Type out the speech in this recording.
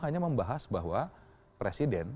hanya membahas bahwa presiden